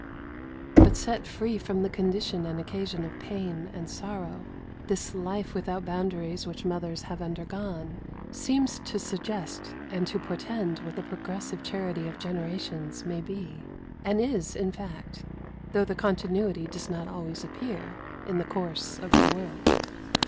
But set free from the condition and occasion of pain and sorrow, this life without boundaries which mothers have undergone seems to suggest and to portend what the progressive charity of generations may be and is, in fact, though the continuity does not always appear in the course of the world.